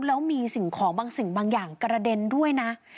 แล้วมีสิ่งของบางสิ่งบางอย่างกระเด็นด้วยนะ